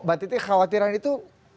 mbak titi khawatiran itu